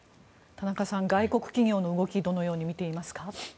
田中さん、外国企業の動きどのように見ていますか？